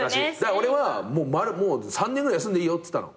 俺は３年ぐらい休んでいいよっつったの。